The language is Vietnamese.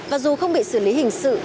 và dù không bị xử lý hình sự